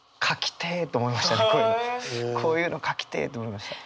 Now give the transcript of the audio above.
こういうの書きてえと思いました。